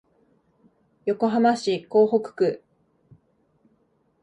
横浜市港北区